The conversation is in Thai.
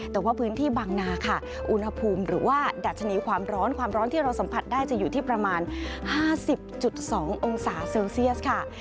แต่ว่าพื้นที่บางนาค่ะอุณหภูมิหรือว่าดัชนีความร้อนความร้อนที่เราสัมผัสได้จะอยู่ที่ประมาณ๕๐๒องศาเซลเซียสค่ะ